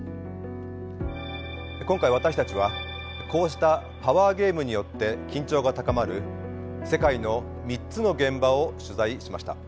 今回私たちはこうしたパワーゲームによって緊張が高まる世界の３つの現場を取材しました。